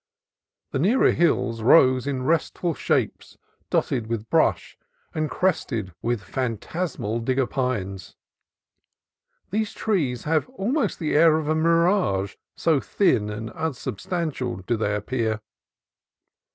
The nearer hills rose in restful shapes, dotted with brush and crested with phantasmal digger pines. These trees have almost the air of a mirage, so thin and unsubstantial do they appear.